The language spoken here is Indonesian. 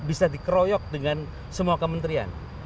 bisa dikeroyok dengan semua kementerian